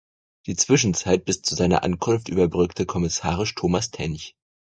Die Zwischenzeit bis zu seiner Ankunft überbrückte kommissarisch Thomas Tench.